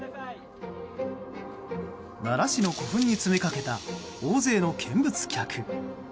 奈良市の古墳に詰めかけた大勢の見物客。